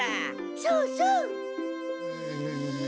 そうそう！